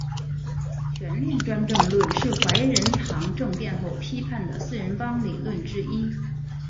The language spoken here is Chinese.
全面专政论是怀仁堂政变后批判的四人帮理论之一。